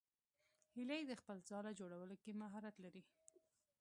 هیلۍ د خپل ځاله جوړولو کې مهارت لري